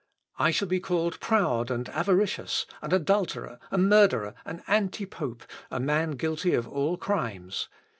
I shall be called proud and avaricious, an adulterer, a murderer, an anti pope, a man guilty of all crimes.